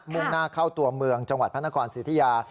่งหน้าเข้าตัวเมืองจังหวัดพระนครสิทธิยา